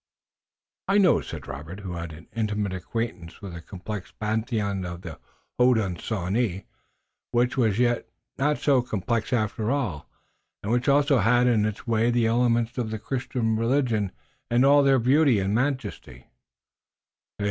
"I know," said Robert, who had an intimate acquaintance with the complex Pantheon of the Hodenosaunee, which was yet not so complex after all, and which also had in its way the elements of the Christian religion in all their beauty and majesty.